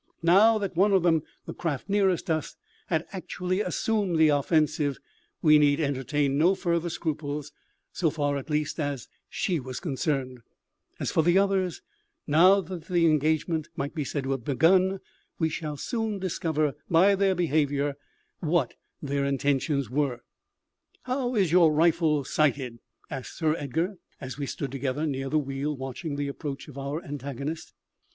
But now that one of them the craft nearest us had actually assumed the offensive, we need entertain no further scruples, so far at least as she was concerned; and as for the others, now that the engagement might be said to have begun, we should soon discover, by their behaviour, what their intentions were. "How is your rifle sighted?" asked Sir Edgar, as we stood together near the wheel, watching the approach of our antagonist.